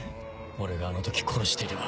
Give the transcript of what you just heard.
俺があの時殺していれば。